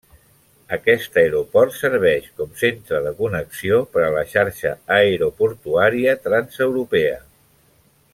Aquest aeroport serveix com centre de connexió per a la xarxa aeroportuària transeuropea.